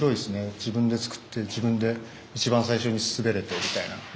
自分で作って自分で一番最初に滑れてみたいな。